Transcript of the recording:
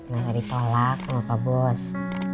kan tadi tolak sama pak bos